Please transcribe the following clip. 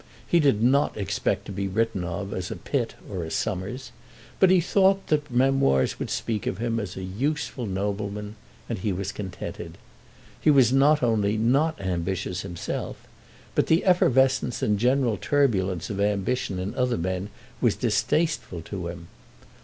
He did not expect to be written of as a Pitt or a Somers, but he thought that memoirs would speak of him as a useful nobleman, and he was contented. He was not only not ambitious himself, but the effervescence and general turbulence of ambition in other men was distasteful to him.